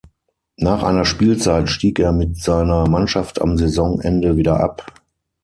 Nach einer Spielzeit stieg er mit seiner Mannschaft am Saisonende wieder ab.